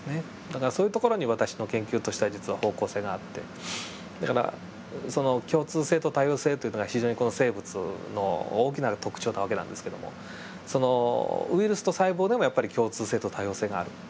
だからそういうところに私の研究としては実は方向性があってだからその共通性と多様性というのが非常に生物の大きな特徴な訳なんですけどもそのウイルスと細胞でもやっぱり共通性と多様性がある。